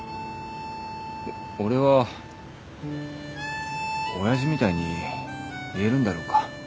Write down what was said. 俺は親父みたいに言えるんだろうか。